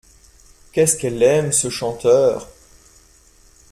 Qu’est-ce qu’elle aime ce chanteur !